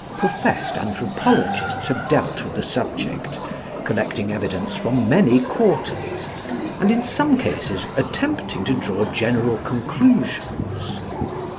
Professed anthropologists have dealt with the subject, collecting evidence from many quarters, and in some cases attempting to draw general conclusions.